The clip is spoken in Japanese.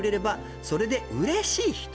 「それで嬉しい人」